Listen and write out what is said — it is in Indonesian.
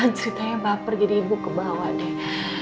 ceritanya baper jadi ibu kebawa deh